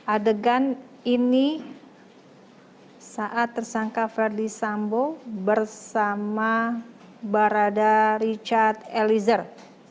adegan ini saat tersangka verdi sambo bersama barada richard eliezer